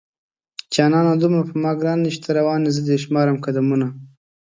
جانانه دومره په ما گران يې چې ته روان يې زه دې شمارم قدمونه